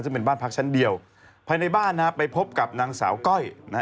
ซึ่งเป็นบ้านพักชั้นเดียวภายในบ้านนะฮะไปพบกับนางสาวก้อยนะฮะ